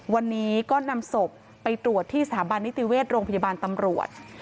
วันนี้ก็นำศพไปตรวจที่สถาบันนิติเวชโรงพยาบาลตำรวจ